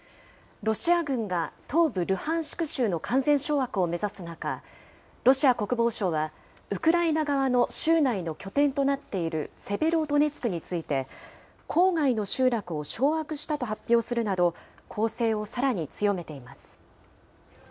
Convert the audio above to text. ロシア軍が東部ルハンシク州の完全掌握を目指す中、ロシア国防省は、ウクライナ側の州内の拠点となっているセベロドネツクについて、郊外の集落を掌握したと発表するなど、攻勢をさらに強めています。